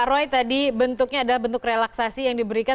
terima kasih pak roy bentuknya adalah bentuk relaksasi yang diberikan